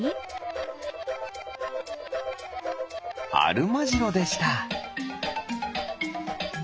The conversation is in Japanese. アルマジロでした！